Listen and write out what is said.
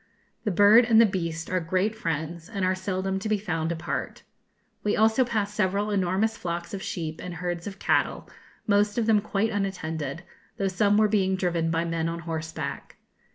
The bird and the beast are great friends, and are seldom to be found apart. We also passed several enormous flocks of sheep and herds of cattle, most of them quite unattended, though some were being driven by men on horseback.